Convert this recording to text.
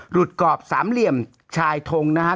หลุดกรอบสามเหลี่ยมชายทงนะฮะ